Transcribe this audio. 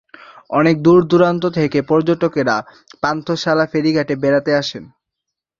অনেক দূর-দূরান্ত থেকে পর্যটকরা পান্থশালা-ফেরিঘাট এ বেড়াতে আসে।